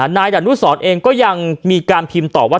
นายดานุสรเองก็ยังมีการพิมพ์ตอบว่า